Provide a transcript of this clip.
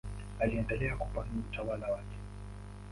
Aliendelea kupanua utawala wake.